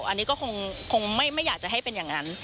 อันนี้ก็คงไม่อยากจะให้เป็นอย่างนั้น